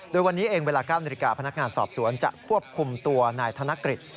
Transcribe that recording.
โดยวันนี้เองเวลา๙นาฬิกาพนักงานสอบสวนจะควบคุมตัวนายธนกฤษ